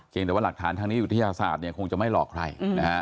เกรงแต่ว่าหลักฐานทางนี้อยู่ที่อาศาสตร์คงจะไม่หลอกใคร